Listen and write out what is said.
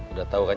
udah tau kan